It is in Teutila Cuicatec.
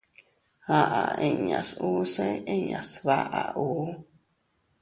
Aʼa inñas usse inña sbaʼa ù.